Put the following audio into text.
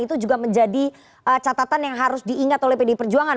itu juga menjadi catatan yang harus diingat oleh pdi perjuangan